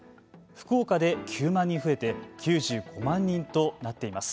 福岡で９万人増えて９５万人となっています。